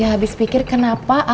saya masih tetap ada